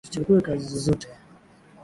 Usichague kazi zozote.